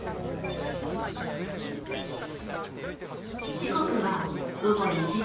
時刻は午後１時。